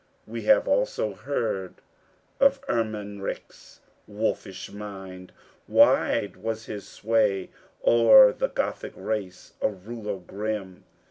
We have also heard of Ermanric's wolfish mind; wide was his sway o'er the Gothic race, a ruler grim.